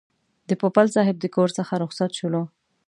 د پوپل صاحب د کور څخه رخصت شولو.